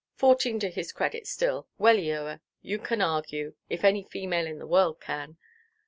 Fourteen to his credit still. Well, Eoa, you can argue, if any female in the world can.